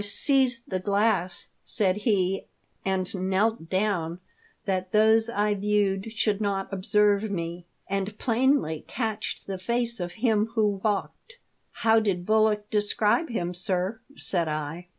1 5 seized the glass,' said he, 'and knelt down, that those I viewed should not observe me, and plainly catched the face of him who walked.' "" How did Bullock describe him, sir ?" said I.